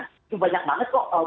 itu banyak banget kok